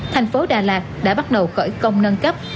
thành phố đà lạt đã bắt đầu khởi công nâng cấp